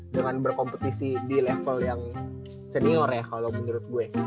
dengan berkompetisi di level yang senior ya kalau menurut gue